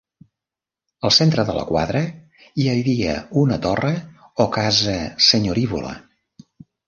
Al centre de la quadra hi havia una torre o casa senyorívola.